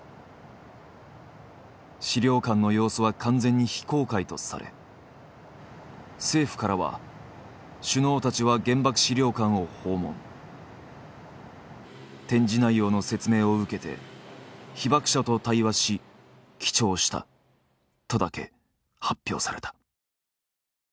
資料館の様子は完全に非公開とされ政府からは「首脳たちは原爆資料館を訪問」「展示内容の説明を受けて被爆者と対話し記帳した」とだけ発表された。